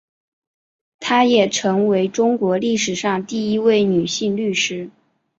她也成为中国历史上第一位女性律师。